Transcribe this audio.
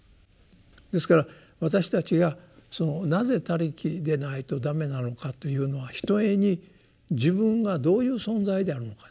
ですから私たちがなぜ「他力」でないと駄目なのかというのはひとえに自分がどういう存在であるのか。